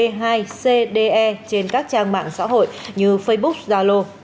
các hạng b một b hai c d e trên các trang mạng xã hội như facebook zalo